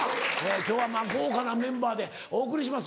今日は豪華なメンバーでお送りします